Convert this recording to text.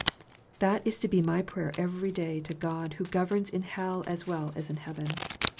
That is to be my prayer every day to God who governs in hell as well as in heaven.